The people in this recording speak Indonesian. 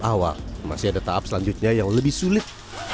awal masih ada tahap selanjutnya yang lebih sulit